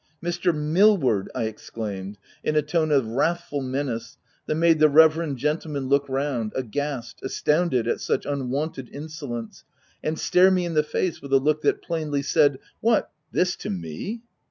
" Mr. Millward !* J I exclaimed, in a tone of wrathful menace that made the reverend 188 THE TENANT gentlemen look round — aghast — astounded at such unwonted insolence, and stare me in the face, with a look that plainly said :" What, this to me